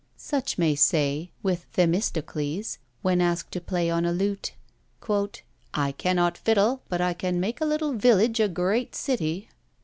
Such may say with Themistocles, when asked to play on a lute "I cannot fiddle, but I can make a little village a great city."